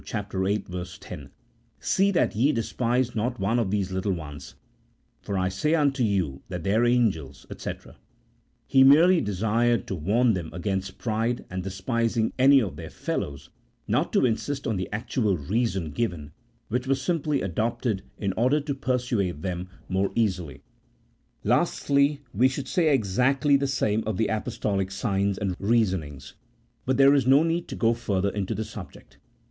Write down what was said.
viii. 10), " See that ye despise not one of these little ones, for I say unto you that their angels," &c, He merely desired to warn them against pride and despising any of their fellows, not to insist on the actual reason given, which was singly adopted in order to persuade them more easily. 42 A THEOLOGICO POLITICAL TREATISE. [CHAP. II. Lastly, we should say exactly the same of the apostolic signs and reasonings, but there is no need to go further into the subject.